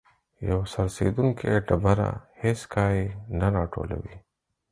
یو څرخیدونکی ډبره هیڅ کای نه راټولوي.